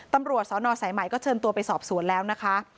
ตำรวจสนสายใหม่ก็เชิญตัวไปสอบสวนแล้วนะคะ